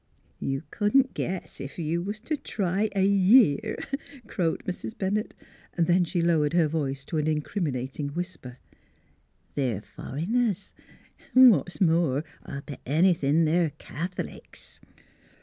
' You couldn't guess ef you was t' try a year," crowed Mrs. Bennett. Then she lowered her voice to an incriminating whisper: " They're fur'ners; an' what's more, Til bet anythin' they're Cath'lics